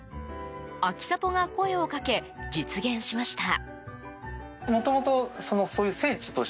アキサポが声をかけ実現しました。